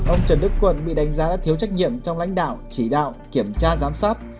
ông trần đức quận bị đánh giá đã thiếu trách nhiệm trong lãnh đạo chỉ đạo kiểm tra giám sát